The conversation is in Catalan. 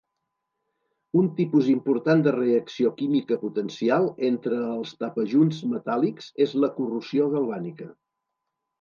Un tipus important de reacció química potencial entre els tapajunts metàl·lics és la corrosió galvànica.